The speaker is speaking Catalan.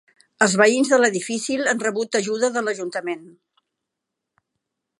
Els veïns de l'edifici han rebut ajuda de l'Ajuntament.